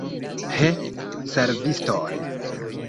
He, servistoj!